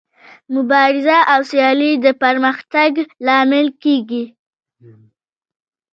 مبارزه او سیالي د پرمختګ لامل کیږي.